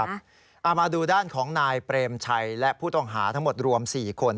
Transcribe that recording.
เอามาดูด้านของนายเปรมชัยและผู้ต้องหาทั้งหมดรวม๔คน